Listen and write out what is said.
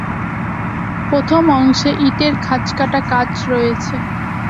প্রথম অংশে ইটের খাঁজকাটা কাজ রয়েছে।